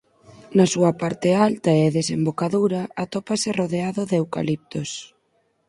Na súa parte alta e desembocadura atópase rodeado de eucaliptos.